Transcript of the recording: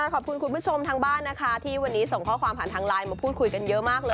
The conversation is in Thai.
ขอบคุณคุณผู้ชมทางบ้านนะคะที่วันนี้ส่งข้อความผ่านทางไลน์มาพูดคุยกันเยอะมากเลย